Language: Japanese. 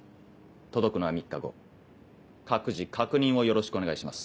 届くのは３日後各自確認をよろしくお願いします。